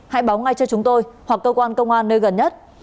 hãy báo ngay cho chúng tôi hoặc cơ quan công an nơi gần nhất